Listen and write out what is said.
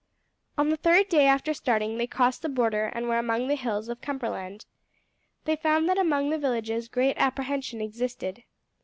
On the third day after starting they crossed the border and were among the hills of Cumberland. They found that among the villages great apprehension existed.